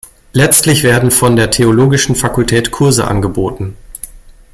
Letztlich werden von der Theologischen Fakultät Kurse angeboten.